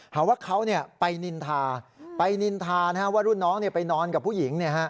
หาว่าเขาไปนินทาไปนินทาว่ารุ่นน้องไปนอนกับผู้หญิง